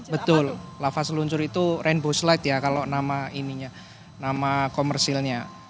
betul lava seluncur itu rainbow slide ya kalau nama ininya nama komersilnya